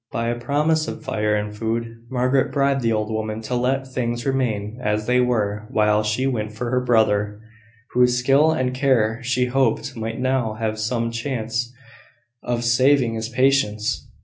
By a promise of fire and food, Margaret bribed the old woman to let things remain as they were while she went for her brother, whose skill and care she hoped might now have some chance of saving his patients.